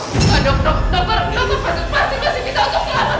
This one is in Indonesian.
dok dok dok dok masih bisa untuk selamatkan